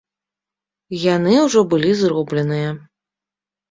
Яны ўжо былі зробленыя.